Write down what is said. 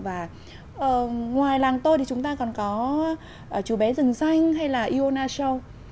và ngoài làng tôi thì chúng ta còn có chú bé rừng xanh hay là iona show